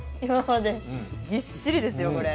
ぎっしりですよこれ。